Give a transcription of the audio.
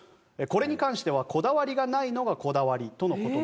これに関してはこだわりがないのがこだわりとの事。